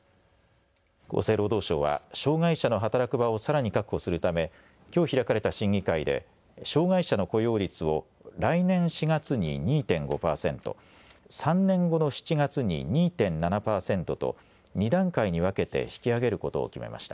厚生労働省は障害者の働く場をさらに確保するため、きょう開かれた審議会で障害者の雇用率を来年４月に２．５％、３年後の７月に２．７％と２段階に分けて引き上げることを決めました。